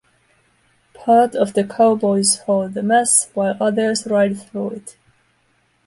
Part of the cowboys hold the mass while others ride through it.